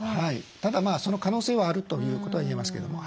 ただその可能性はあるということは言えますけども。